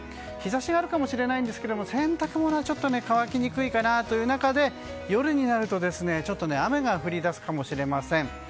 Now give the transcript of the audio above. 日差しはあるかもしれないんですが洗濯物は乾きにくいかなという中で夜になると雨が降り出すかもしれません。